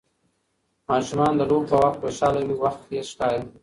ماشومان د لوبو په وخت خوشحاله وي، وخت تېز ښکاري.